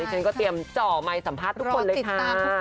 ฉันก็เตรียมจ่อไมค์สัมภาษณ์ทุกคนเลยค่ะ